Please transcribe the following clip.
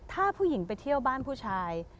ถ้าผู้หญิงไปเที่ยวบ้านผู้ชาย